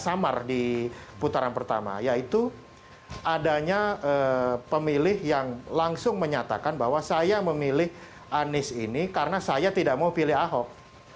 samar di putaran pertama yaitu adanya pemilih yang langsung menyatakan bahwa saya memilih anies ini karena saya tidak mau pilih ahok